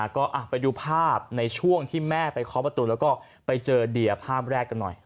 ก็ไปดูภาพในช่วงที่แม่ไปเคาะประตูแล้วก็ไปเจอเดียภาพแรกกันหน่อย